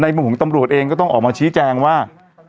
มุมของตำรวจเองก็ต้องออกมาชี้แจงว่า